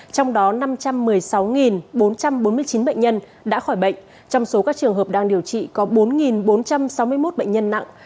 trong đó năm trăm một mươi sáu bốn trăm bốn mươi chín bệnh nhân đã khỏi bệnh trong số các trường hợp đang điều trị có bốn bốn trăm sáu mươi một bệnh nhân nặng